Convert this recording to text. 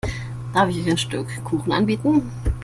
Darf ich euch ein Stück Kuchen anbieten?